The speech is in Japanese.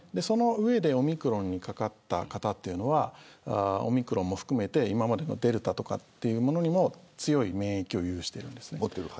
その上でオミクロンにかかった方というのはオミクロンも含めて今までのデルタとかっていうものにも強い免疫を有してるんですね。